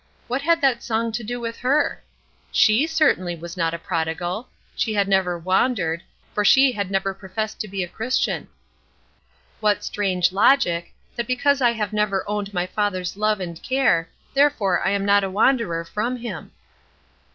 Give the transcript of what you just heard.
What had that song to do with her? She certainly was not a prodigal: she had never wandered, for she had never professed to be a Christian. What strange logic, that because I have never owned my Father's love and care, therefore I am not a wanderer from him!